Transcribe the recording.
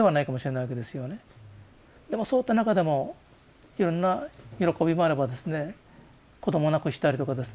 でもそういった中でもいろんな喜びもあればですね子供をなくしたりとかですね